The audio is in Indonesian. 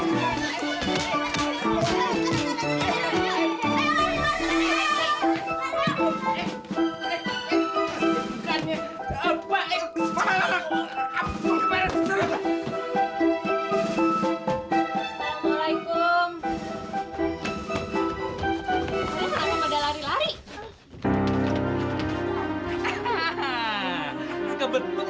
bukain dulu tali aku